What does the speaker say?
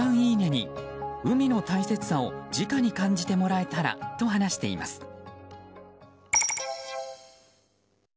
いいねに海の大切さを直に感じてもらえたらと話しています。